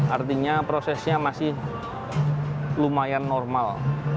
artinya prosesnya masih lumayan normal